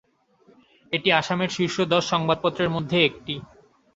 এটি আসামের শীর্ষ দশ সংবাদপত্রের মধ্যে একটি।